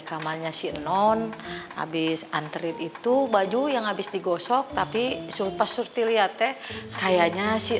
namanya si non abis antret itu baju yang habis digosok tapi supaya surti lihat kayaknya si